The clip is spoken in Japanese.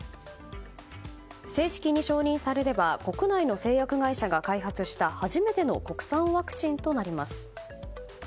正式に承認されれば国内の製薬会社が開発した初めての国産ワクチンとなります。